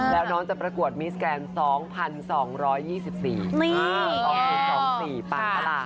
แล้วน้องจะประกวดมิสแกน๒๒๒๔๒๐๒๔ปังปะล่ะ